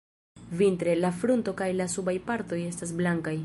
Vintre, la frunto kaj la subaj partoj estas blankaj.